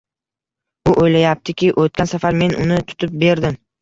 U o`ylayaptiki, o`tgan safar men uni tutib berdim